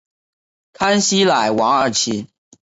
坎西莱瓦尔齐。